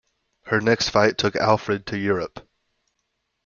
Her next fight took Alfred to Europe.